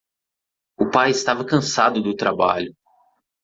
O pai estava cansado do trabalho.